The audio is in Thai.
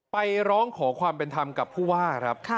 ไปร้องขอความเป็นธรรมกับผู้ว่าครับ